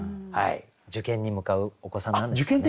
受験に向かうお子さんなんでしょうかね。